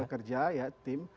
masih bekerja ya tim